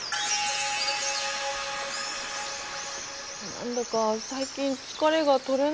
何だか最近疲れが取れなくって。